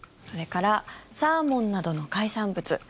それからサーモンなどの海産物。